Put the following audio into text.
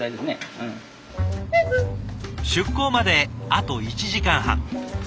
出港まであと１時間半。